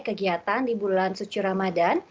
kegiatan di bulan suci ramadan